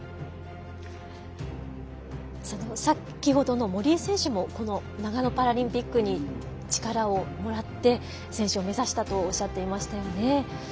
先ほどの森井選手もこの長野パラリンピックに力をもらって選手を目指したとおっしゃっていましたよね。